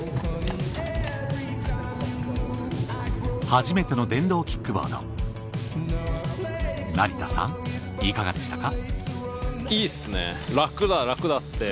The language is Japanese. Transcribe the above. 初めての電動キックボード成田さんいかがでしたか？